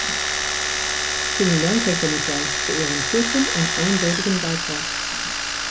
Vielen Dank, Herr Kommissar, für Ihren kurzen und eindeutigen Beitrag.